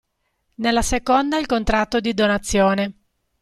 Nella seconda il contratto di donazione.